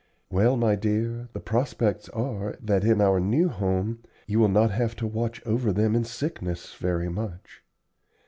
"Well, my dear, the prospects are that in our new home you will not have to watch over them in sickness very much.